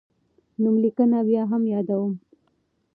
نوملیکنه بیا هم یادوم.